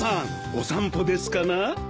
お散歩ですかな？